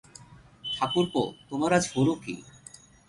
ঠাকুরপো, তোমার আজ হল কী।